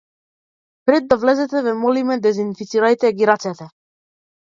„Пред да влезете ве молиме дезинфицирајте ги рацете“